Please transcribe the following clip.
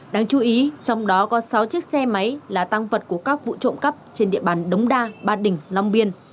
đáng chú ý trong đó có sáu chiếc xe máy là tăng vật của các vụ trộm cắp trên địa bàn đống đa ba đình long biên